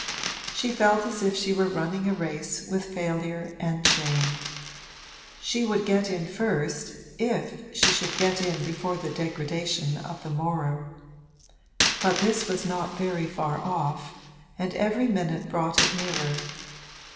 She felt as if she were running a race with failure and shame; she would get in first if she should get in before the degradation of the morrow. But this was not very far off, and every minute brought it nearer.